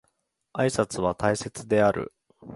挨拶は大切である